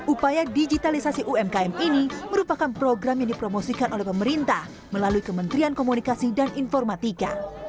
upaya digitalisasi umkm ini merupakan program yang dipromosikan oleh pemerintah melalui kementerian komunikasi dan informatika